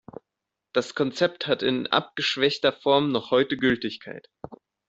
Das Konzept hat in abgeschwächter Form noch heute Gültigkeit.